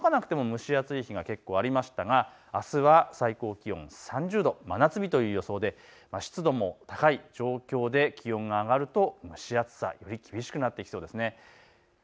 ２５度に届かなくても蒸し暑い日は結構ありましたがあすは最高気温３０度、真夏日という予想で湿度も高い状況で気温が上がると蒸し暑さ、より厳しくなりそうです。